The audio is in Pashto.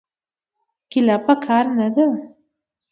ګيله پکار نه ده.